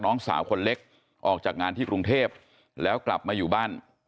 น้องสาวคนเล็กออกจากงานที่กรุงเทพแล้วกลับมาอยู่บ้าน